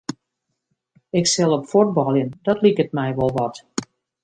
Ik sil op fuotbaljen, dat liket my wol wat.